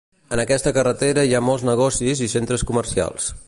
En aquesta carretera hi ha molts negocis i centres comercials.